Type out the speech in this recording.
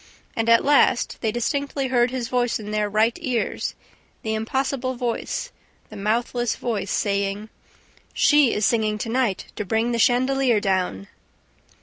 And, at last, they distinctly heard his voice in their right ears, the impossible voice, the mouthless voice, saying: "SHE IS SINGING TO NIGHT TO BRING THE CHANDELIER DOWN!"